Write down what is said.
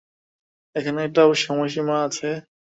এখানে একটা সময়সীমা আছে।